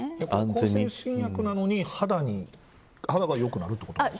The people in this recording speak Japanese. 向精神薬なのに肌が良くなるということですか。